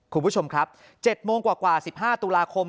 คุณผู้ชมครับ๗โมงกว่า๑๕ตุลาคม